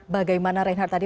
bagaimana reinhard tadi